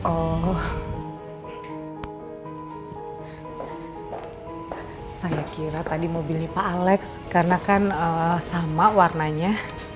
oh saya kira tadi mobilnya pak alex karena kan sama warnanya